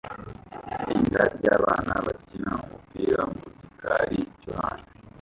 Itsinda ryabana bakina umupira mu gikari cyo hanze